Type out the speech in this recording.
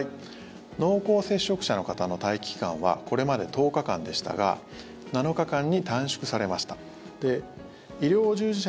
濃厚接触者の方の待機期間はこれまで１０日間でしたが７日間に短縮されました。